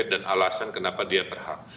dan alasan kenapa dia berhak